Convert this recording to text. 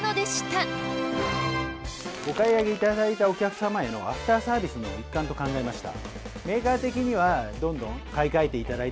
お買い上げいただいたお客様へのアフターサービスの一環と考えました。